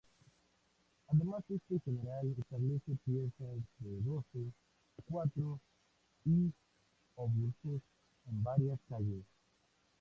Además, este general establece piezas de doce, cuatro y obuses en varias calles.